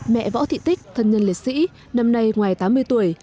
mẹ võ thị tích thân nhân liệt sĩ năm nay ngoài tám mươi tuổi